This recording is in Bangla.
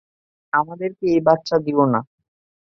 আমাদেরকে এই বাচ্চা দিও না।